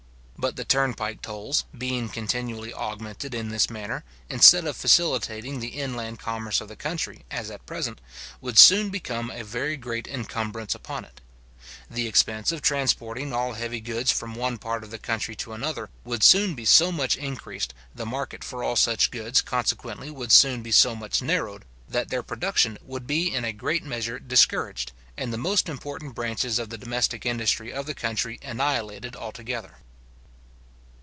But the turnpike tolls, being continually augmented in this manner, instead of facilitating the inland commerce of the country, as at present, would soon become a very great incumbrance upon it. The expense of transporting all heavy goods from one part of the country to another, would soon be so much increased, the market for all such goods, consequently, would soon be so much narrowed, that their production would be in a great measure discouraged, and the most important branches of the domestic industry of the country annihilated altogether.